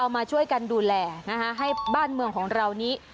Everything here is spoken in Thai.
มาช่วยกันดูแลนะคะให้บ้านเมืองของเรานี้